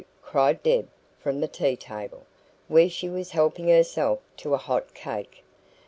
cried Deb from the tea table, where she was helping herself to a hot cake.